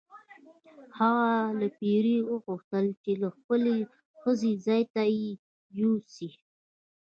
هغه له پیري وغوښتل چې د خپلې ښځې ځای ته یې یوسي.